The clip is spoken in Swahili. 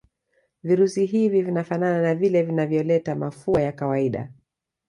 virusi hivi vinafana na vile vinavyoleta mafua ya kawaida